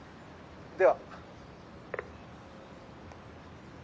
では。